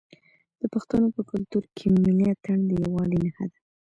د پښتنو په کلتور کې ملي اتن د یووالي نښه ده.